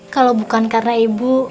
kalo bukan karena ibu